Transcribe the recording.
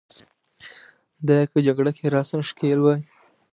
دای که جګړه کې راساً ښکېل وي.